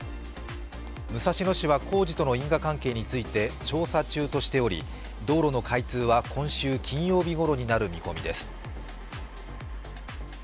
武蔵野市は工事との因果関係について調査中としており道路の開通は今週金曜日頃になる見込みです。